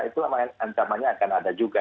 itu ancamannya akan ada juga